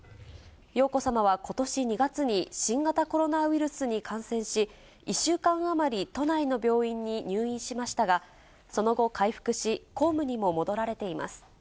瑶子さまはことし２月に、新型コロナウイルスに感染し、１週間余り、都内の病院に入院しましたが、その後回復し、公務にも戻られています。